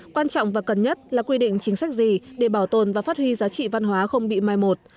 quan trọng và cần nhất là quy định chính sách gì để bảo tồn và phát huy giá trị văn hóa không bị mai một